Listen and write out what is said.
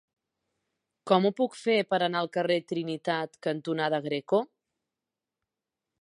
Com ho puc fer per anar al carrer Trinitat cantonada Greco?